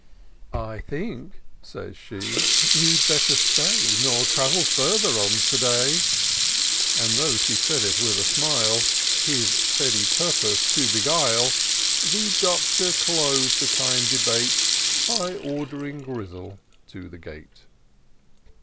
" I think," said she, " you'd better stay, Nor travel further on to day :"— And though she said it with a smile, His steady purpose to beguile. The Doctor clos'd the kind debate, By ordering Grizzle to the gate.